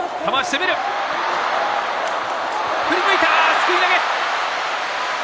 すくい投げ。